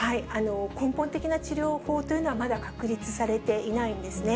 根本的な治療法というのは、まだ確立されていないんですね。